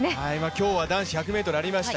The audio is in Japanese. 今日は男子１００ｍありました。